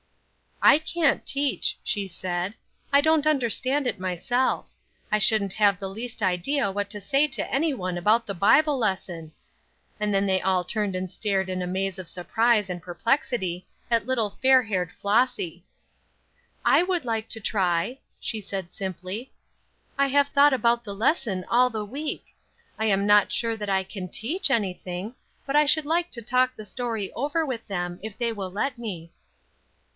"I can't teach," she said; "I don't understand it myself. I shouldn't have the least idea what to say to anyone about the Bible lesson." And then they all turned and stared in a maze of surprise and perplexity at little fair haired Flossy. "I would like to try," she said, simply; "I have thought about the lesson all the week; I am not sure that I can teach anything, but I should like to talk the story over with them if they will let me."